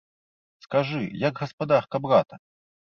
Скажы, як гаспадарка брата?